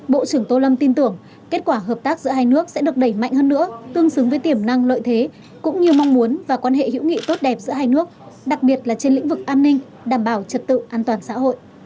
bộ trưởng tô lâm tin tưởng kết quả hợp tác giữa hai nước sẽ được đẩy mạnh hơn nữa tương xứng với tiềm năng lợi thế cũng như mong muốn và quan hệ hữu nghị tốt đẹp giữa hai nước đặc biệt là trên lĩnh vực an ninh đảm bảo trật tự an toàn xã hội